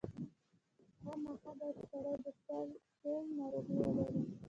خامخا باید سړی د سِل ناروغي ولري.